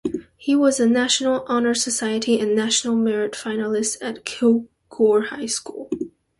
He was a National Honor Society and National Merit Finalist at Kilgore High School.